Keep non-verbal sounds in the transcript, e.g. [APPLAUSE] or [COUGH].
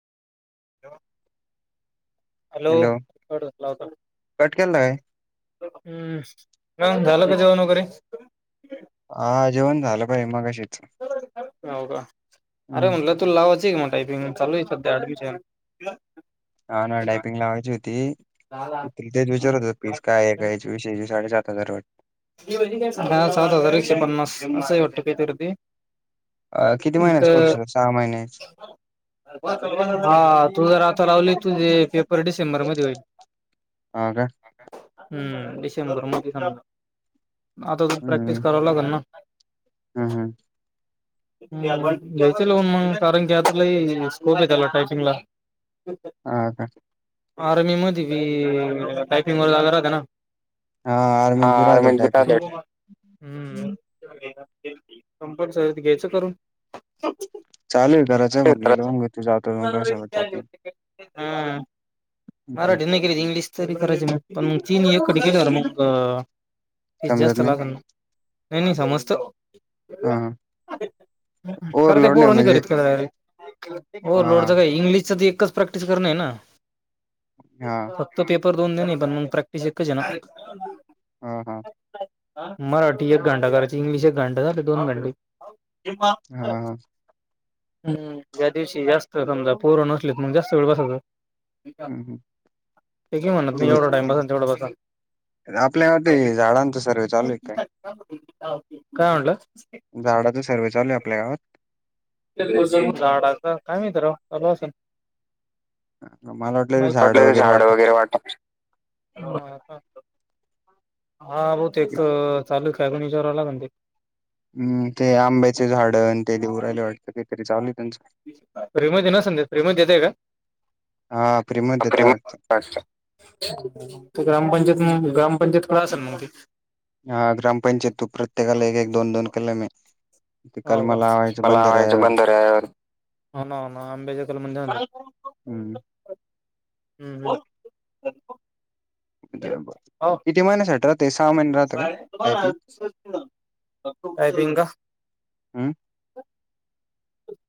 Hello! Cut झाला होता. Cut केलता काय? हम्म का झालं का जेवण वगैरे हा जेवण झालं पाह मगाशी. हाव का अरे हम्म म्हणलं. तू लावाच आहे की मग टायपिंग चालू आहे सध्या ऍडमिशन. हान टायपिंग लावायची होती तेच विचारत हो. पीस काय आहे कायच विषयी साडेसात हजार वाटते. दहा सात हजार एकशे पन्नास अस आहे वाटत थेरपी अ.. किती महिनच कोर्स आहे, सहा महिन हा तू जर आता लावली तुझे पेपर डिसेंबर मध्ये होईल. हा, का हम्म.. डिसेंबर मध्यी, आता तर प्रॅक्टिस कराव लागेल ना? ह्. ह्.. [INAUDIBLE] घेतील मन कारण स्कोप येतला टयपिंग ला हा, का? आर्मी मध्ये बी.. टायपिंग वर जागा राहते ना? हा.. आर्मी बी राहते टाईपिंग. हम्म.. कंपल्सरी ते घ्यायचं करून. चालू आहे घराच म्हंटलं, लोन घेतलं जातो मग कशावर टाकी हम् मराठी नाही केली इंग्लिश तरी करायची मग पण तीन एकड केेली म.. ग समजत जास्त नाही लाग ना, नई -नई समस्त हा हा कर ते ओव्हरलोड पोर नाही म्हणजे घरीच करील, हा लोडचं काय इंग्लिशच एकच प्रॅक्टिस करने आहे ना? हा तो पेपर दोन -दोन पण मग प्रॅक्टिस एकच ये ना हा.. हा.. मराठी एक घंटा करायचा, इंग्लिश एक घंटा झाला दोन घंटे ते हा बॉक्स हा हम्.. ज्या दिवशी जास्त समजा पोर नसले, मग जास्त वेळ बसायच ते हम्म, हम्म. काय म्हणत नाही एवढा ते टाइम बसा, तेवढ बसा. आपल्या ते झाडांचं सर्वे चालू आहेत काय? काय म्हटलात? झाड सर्वे चालू आहे आपल्या गावात? झाडाचा काय माहिती राव, चालू असेल. मला वाटलं ते झाडं पडलेले झाड वाटप वगैरे वाटत हा... हो तेक चालू आहे का विचाराव लागण ते हम्म.. ते आंब्याचे झाड ते देऊ राहीले वाटतं, काहीतरी चालू आहे त्यांच फ्री मधी नसलं देत, फ्री मधी देताय हा का? फ्रीमध्ये फ्री देता वाटतं अच्छा... ते ग्रामपंचायत, ग्रामपंचायत कडे असेल मग ते हा, ग्रामपंचायत तू प्रत्येकाला एक- एक, दोन -दोन कलम आहे. ते हा, कलम का? लावायचं आता लावायचा बंधाऱ्यावरती बंधाऱ्यावर, हो.. ना हो.. ना आंब्याचे कलम म्हणल्यावर हम्म हम्म हम् किती महिन्यासाठी रहात, सहा महिने राहते [UNINTELLIGIBLE] अयबिंग हम